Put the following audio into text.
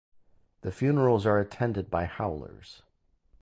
The funerals are attended by howlers.